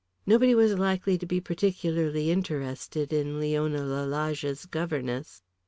Nobody was likely to be particularly interested in Leona Lalage's governess.